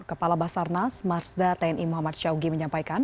kepala basarnas marsda tni muhammad syawgi menyampaikan